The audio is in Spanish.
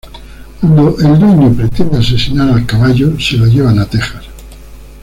Cuando el Dueño pretende asesinar al Caballo se lo llevan a Texas.